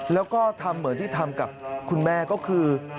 แล้วก็ทำเหมือนที่ทำกับคุณแม่ก็คือ